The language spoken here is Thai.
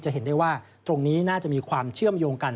เห็นได้ว่าตรงนี้น่าจะมีความเชื่อมโยงกัน